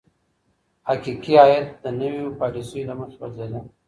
حقیقي عاید د نویو پالیسیو له مخي بدلیده.